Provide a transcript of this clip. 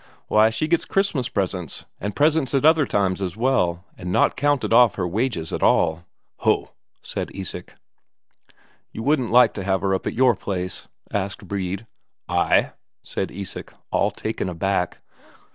Why, she gets Christmas presents, and presents other times as well, and not counted off her wages at all." "Ho!" said Isak. "You wouldn't like to have her up at your place?" asked Brede. "I?" said Isak, all taken aback.